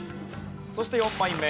そして４枚目。